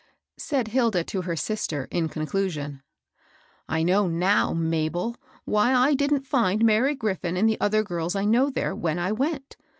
Said Hilda to her sister, in conclusion, ^^ I know now, Mabel^ why I didn't find Mary Gri£Sn and the other girls I know there when I went.